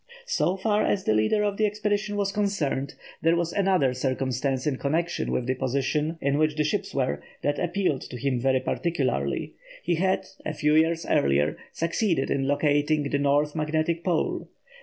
So far as the leader of the expedition was concerned, there was another circumstance in connection with the position in which the ships were that appealed to him very particularly. He had, a few years earlier, succeeded in locating the North Magnetic Pole.